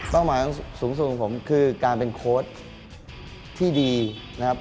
หมายสูงสุดของผมคือการเป็นโค้ดที่ดีนะครับ